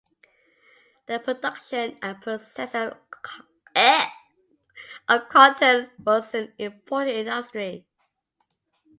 The production and processing of cotton was an important industry.